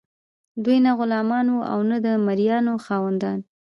دوی نه غلامان وو او نه د مرئیانو خاوندان.